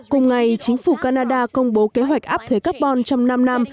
cùng ngày chính phủ canada công bố kế hoạch áp thuế carbon trong năm năm